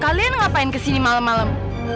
kalian ngapain kesini malem malem